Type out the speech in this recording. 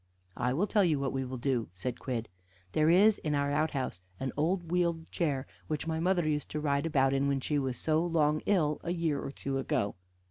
"I will tell you what we will do," said Quidd. "There is in our outhouse an old wheeled chair which my mother used to ride about in when she was so long ill, a year or two ago.